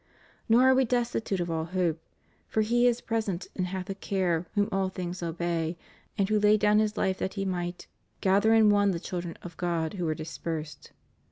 Nor are we destitute of all hope; for He is present and hath a care whom all things obey and who laid down His life that He might "gather in one the children of God who were dispersed."